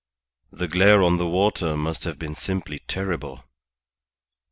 "The glare on the water must have been simply terrible."